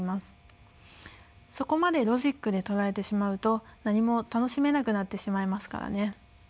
そこまでロジックで捉えてしまうと何も楽しめなくなってしまいますからね。